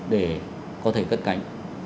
để có thể cất cánh